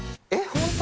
本当？